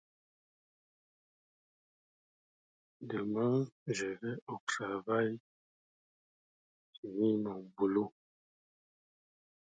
La principale saison des pluies est comprise entre novembre et mars.